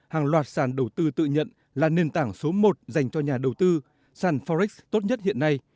hàng loạt sàn đầu tư tự nhận là nền tảng số một dành cho nhà đầu tư sàn forex tốt nhất hiện nay